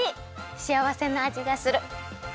しあわせのあじがする！